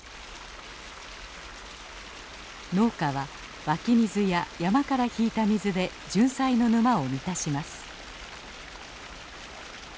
農家は湧き水や山から引いた水でジュンサイの沼を満たします。